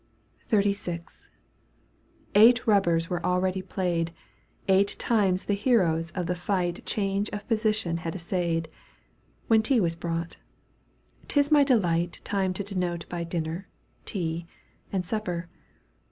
XXXVI, Eight rubbers were already played. Eight times the heroes of the fight Change of position had essayed. When tea was brought. 'Tis my delight Time to denote by dinner, tea. And supper.